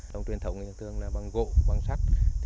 lồng tuyên thống thường là bằng gỗ bằng sắc